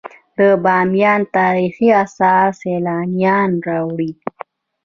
د بامیان تاریخي اثار سیلانیان راوړي